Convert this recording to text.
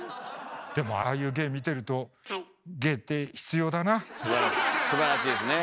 でもああいう芸見てるとすばらしいですね。